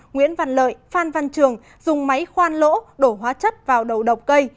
nguyễn văn lợi phan văn trường dùng máy khoan lỗ đổ hóa chất vào đầu độc cây